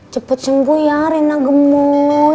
cepet sem gue ya rina gemoy